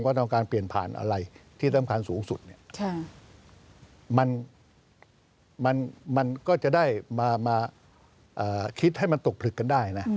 ต้องการเปลี่ยนผ่านอะไรที่สำคัญสูงสุดเนี่ยมันก็จะได้มาคิดให้มันตกผลึกกันได้นะ